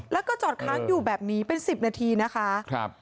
แล้วก็จอดค้างอยู่แบบนี้เป็น๑๐นาทีนะคะ